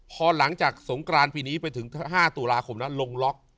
พอหลังจากสงกรานปีนี้ไปถึง๕ตุลาคมนั้นลงล็อก